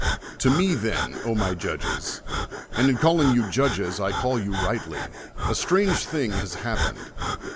To me then, my judges, — and in calling you judges T call you rightly. — a strange thing has liappened.